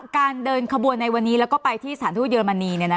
การเดินขบวนในวันนี้แล้วก็ไปที่สถานทูตเยอรมนี